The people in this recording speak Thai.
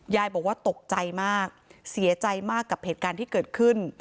ยายบอกว่าตกใจมากเสียใจมากกับเหตุการณ์ที่เกิดขึ้น